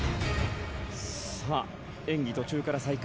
さあ、演技途中から再開。